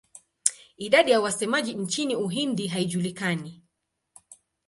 Idadi ya wasemaji nchini Uhindi haijulikani.